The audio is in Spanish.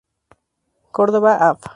Córdoba, Av.